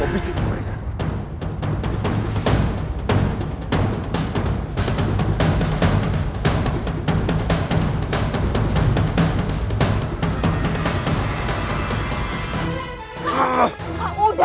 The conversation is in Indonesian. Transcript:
bapak bisa jauh reza